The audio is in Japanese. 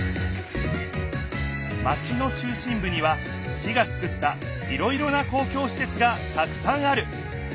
マチの中心ぶには市がつくったいろいろな公共しせつがたくさんある。